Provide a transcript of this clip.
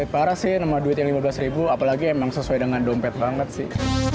parah sih nama duit yang lima belas ribu apalagi emang sesuai dengan dompet banget sih